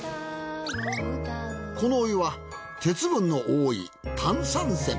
このお湯は鉄分の多い炭酸泉。